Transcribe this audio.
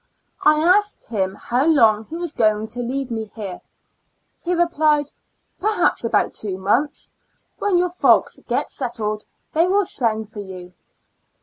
I asked him how long he was going to leave me here ; he replied " perhaps about two months ; when your folks get settled they will send for you."